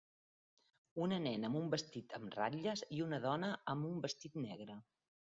Una nena amb un vestit amb ratlles i una dona amb un vestit negre.